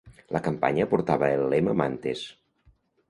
La campanya portava el lema Mantes.